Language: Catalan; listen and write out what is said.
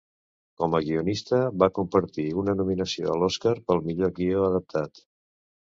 Com a coguionista, va compartir una nominació a l'Oscar pel "Millor Guió Adaptat".